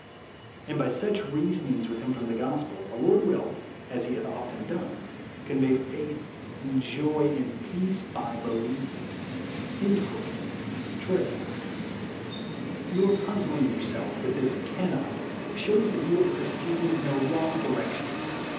And by such reasonings with him from the gospel, the Lord will (as he hath often done) convey faith, and joy, and peace^ by believing."* Your puzzling yourself with this " can not, " shews that you are proceeding in a ^vrong direction.